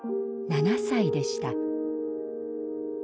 ７歳でした。